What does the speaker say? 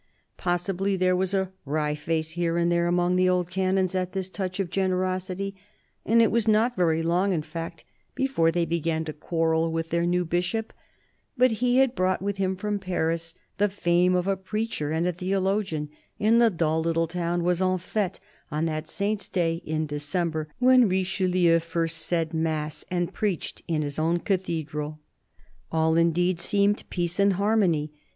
Possibly there was a wry face here and there among the old canons at this touch of generosity, and it was not very long, in fact, before they began to quarrel with their new Bishop ; but he had brought with him from Paris the fame of a preacher and a theologian, and the dull little town was en fete on that saint's day in December when Richelieu first said mass and preached in his own cathedral. All, indeed, seemed peace and harmony.